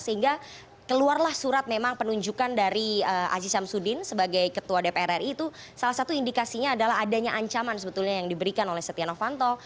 sehingga keluarlah surat memang penunjukan dari aziz syamsuddin sebagai ketua dpr ri itu salah satu indikasinya adalah adanya ancaman sebetulnya yang diberikan oleh setia novanto